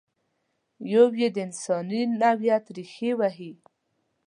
یو یې د انساني نوعیت ریښې وهي.